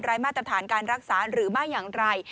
มาตรฐานการรักษาหรือไม่อย่างไร